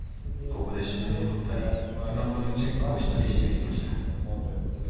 ここで指紋を取ったり、スマホのチェックをしたりしていました。